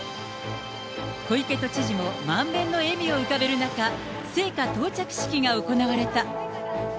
小池都知事も満面の笑みを浮かべる中、聖火到着式が行われた。